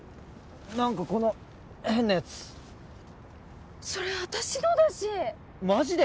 何かこの変なやつそれ私のだしマジで？